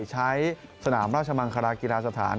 ใช้สนามราชมังคลากีฬาสถาน